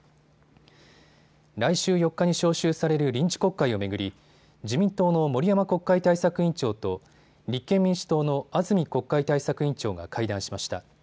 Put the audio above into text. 来週４日に召集される臨時国会を巡り、自民党の森山国会対策委員長と立憲民主党の安住国会対策委員長が会談しました。